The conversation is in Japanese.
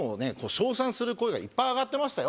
称賛する声がいっぱいあがってましたよ